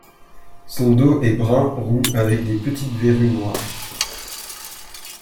Son dos est brun roux avec de petites verrues noires.